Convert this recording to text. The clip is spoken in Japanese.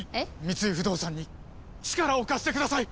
三井不動産に力を貸してください！